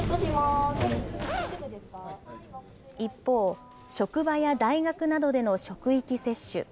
一方、職場や大学などでの職域接種。